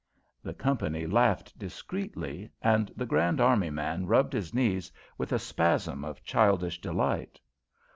The company laughed discreetly, and the Grand Army man rubbed his knees with a spasm of childish delight.